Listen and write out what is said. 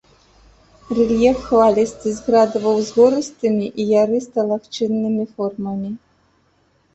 Рэльеф хвалісты з градава-ўзгорыстымі і ярыста-лагчыннымі формамі.